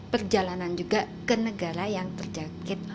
perjalanan juga ke negara yang terjangkit